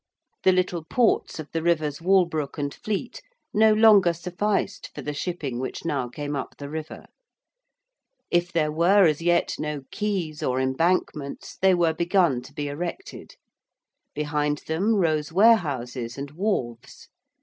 The little ports of the rivers Walbrook and Fleet no longer sufficed for the shipping which now came up the river; if there were as yet no quays or embankments they were begun to be erected; behind them rose warehouses and wharves.